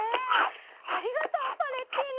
ありがとうパレッティーノ。